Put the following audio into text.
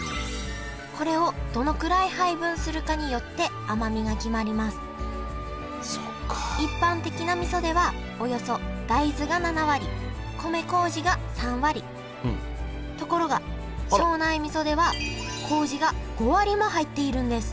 これをどのくらい配分するかによって甘みが決まりますところが庄内みそではこうじが５割も入っているんです